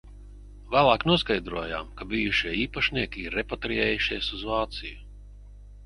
Vēlāk noskaidrojām ka bijušie īpašnieki ir repatriējušies uz Vāciju.